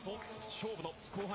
勝負の後半